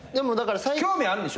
興味あるんでしょ？